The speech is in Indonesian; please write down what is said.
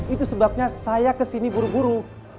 itu sebabnya saya kesini buru buru